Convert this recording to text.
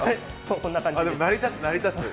こんな感じです。